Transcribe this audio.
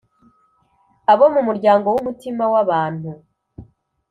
abo mu muryango w’umutima wabantu